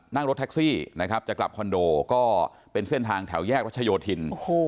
นั่งรถแท็กซี่นะครับจะกลับคอนโดก็เป็นเส้นทางแถวแยกรัชโยธิน